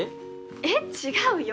えっ違うよ